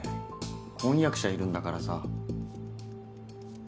婚約者いるんだからさ。